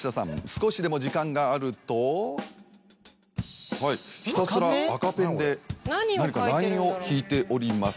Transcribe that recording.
少しでも時間があるとはいひたすら赤ペンで何かラインを引いております。